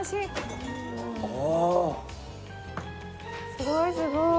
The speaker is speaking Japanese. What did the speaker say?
すごいすごい。